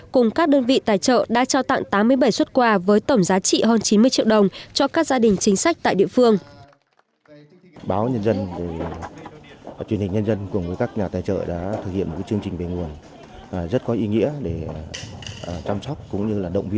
cùng các đơn vị tài trợ đã trao tặng tám mươi bảy xuất quà với tổng giá trị hơn chín mươi triệu đồng